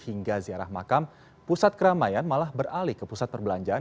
hingga ziarah makam pusat keramaian malah beralih ke pusat perbelanjaan